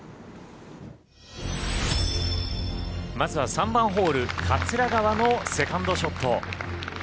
まずは３番ホール桂川のセカンドショット。